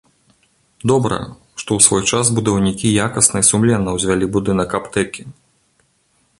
Добра, што ў свой час будаўнікі якасна і сумленна ўзвялі будынак аптэкі.